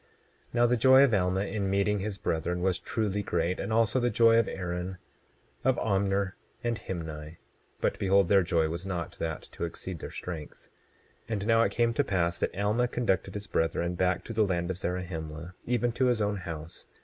27:19 Now the joy of Alma in meeting his brethren was truly great, and also the joy of Aaron, of Omner, and Himni; but behold their joy was not that to exceed their strength. 27:20 And now it came to pass that Alma conducted his brethren back to the land of Zarahemla; even to his own house.